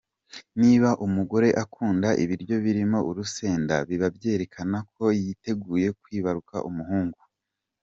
Niba umugore akunda ibiryo birimo urusenda biba byerekana ko yiteguye kwibaruka umuhungu.